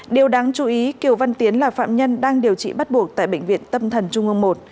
điều đáng chú ý kiều văn tiến là phạm nhân đang điều trị bắt buộc tại bệnh viện tâm thần trung ương một